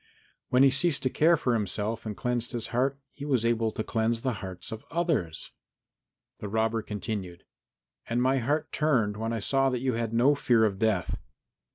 When he ceased to care for himself and cleansed his heart, he was able to cleanse the hearts of others. And the robber continued, "And my heart turned when I saw that you had no fear of death."